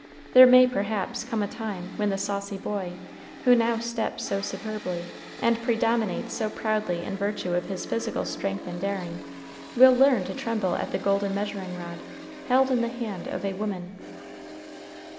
There may, perhaps, come a time when the saucy boy, who now steps so superbly, and predominates so proudly in virtue of his physical strength and daring, will learn to tremble at the golden measuring rod, held in the hand of a woman.